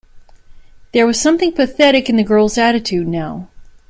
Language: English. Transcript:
There was something pathetic in the girl's attitude now.